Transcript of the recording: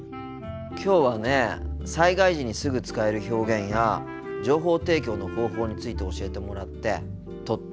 きょうはね災害時にすぐ使える表現や情報提供の方法について教えてもらってとっても勉強になったよ。